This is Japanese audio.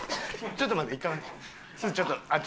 ちょっと待って。